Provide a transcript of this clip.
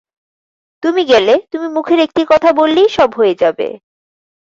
তুমি গেলে, তুমি মুখের একটি কথা বললেই সব হয়ে যাবে।